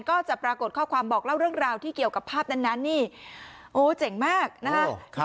ก็จะปรากฏข้อความบอกเล่าเรื่องราวที่เกี่ยวกับภาพนั้นนี่โอ้เจ๋งมากนะคะ